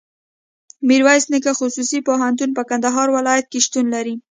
ميرویس نيکه خصوصي پوهنتون په کندهار ولایت کي شتون لري.